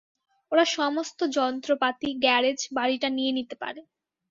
ওরা সমস্ত যন্ত্রপাতি, গ্যারেজ, বাড়িটা নিয়ে নিতে পারে।